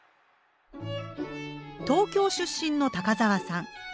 東京出身の高沢さん。